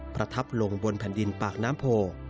ประทับลงบนแผ่นดินปากน้ำโพ